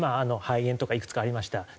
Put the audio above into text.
肺炎とかいくつかありました。